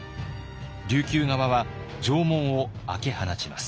琉球側は城門を開け放ちます。